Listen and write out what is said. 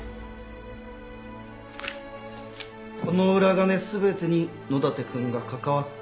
この裏金全てに野立君がかかわっていたと？